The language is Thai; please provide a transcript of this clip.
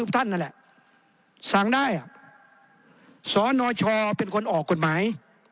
นั่นแหละสั่งได้เป็นคนออกกฎหมาย